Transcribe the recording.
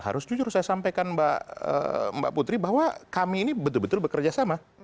harus jujur saya sampaikan mbak putri bahwa kami ini betul betul bekerja sama